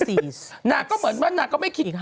อีกตั้ง๔อีก๕นาที